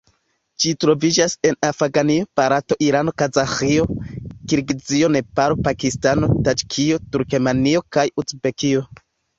Ĝi troviĝas en Afganio, Barato, Irano, Kazaĥio, Kirgizio, Nepalo, Pakistano, Taĝikio, Turkmenio kaj Uzbekio.